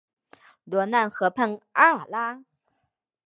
罗讷河畔阿尔拉。